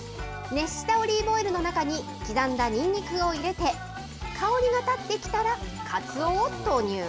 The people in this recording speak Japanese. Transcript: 熱したオリーブオイルの中に、刻んだにんにくを入れて、香りが立ってきたら、かつおを投入。